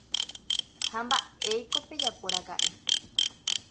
Ha mba'éiko pejapóraka'e.